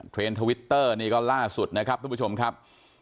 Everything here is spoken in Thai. ทวิตเตอร์นี่ก็ล่าสุดนะครับทุกผู้ชมครับ